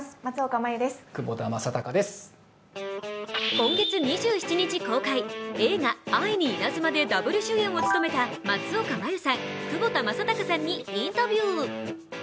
今月２７日公開、映画「愛にイナズマ」でダブル主演を務めた松岡茉優さん、窪田正孝さんにインタビュー。